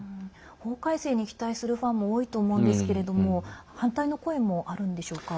法改正に期待するファンも多いと思うんですけれども反対の声もあるんでしょうか。